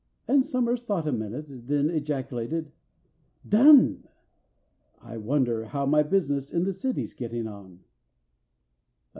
And SOMERS thought a minute, then ejaculated, "Done! I wonder how my business in the City's getting on?"